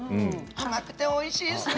甘くておいしいですね。